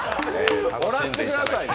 おらしてくださいよ。